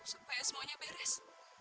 supaya semuanya beres